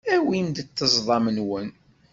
Awim-d ṭṭezḍam-nwen.